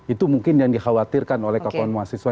itu mungkin yang dikhawatirkan oleh kakak kakak mahasiswa